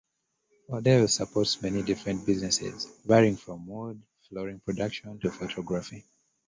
Odell supports many different businesses, varying from wood flooring production to photography.